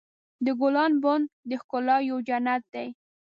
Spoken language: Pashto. د ګلانو بڼ د ښکلا یو جنت دی.